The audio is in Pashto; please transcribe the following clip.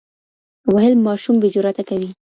وهل ماشوم بې جراته کوي.